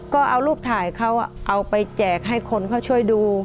ก็เอารูปถ่ายเขาเอาไปแจกให้คนเขาช่วยดู